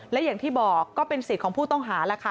และอย่างที่บอกก็เป็นสิทธิ์ของผู้ต้องหาแล้วค่ะ